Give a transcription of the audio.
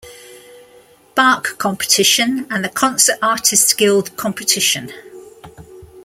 Bach Competition and the Concert Artists Guild Competition.